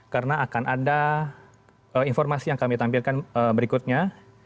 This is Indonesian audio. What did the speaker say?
karena akan ada informasi yang kami tampilkan berikutnya